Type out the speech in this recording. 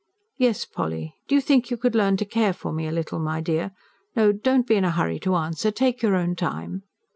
"Yes, Polly. Do you think you could learn to care for me a little, my dear? No, don't be in a hurry to answer. Take your own time."